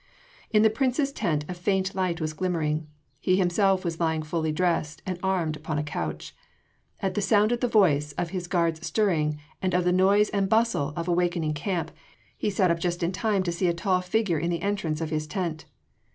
In the Prince’s tent a faint light was glimmering. He himself was lying fully dressed and armed upon a couch. At sound of the voice, of his guards stirring, of the noise and bustle of a wakening camp, he sat up just in time to see a tall figure in the entrance of his tent.